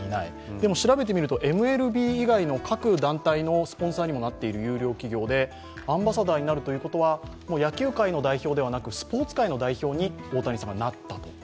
でも調べてみると、ＭＬＢ以外の各団体のスポンサーにもなっている優良企業でアンバサダーになるということはもう野球界の代表ではなく、スポーツ界の代表に大谷さんがなったと。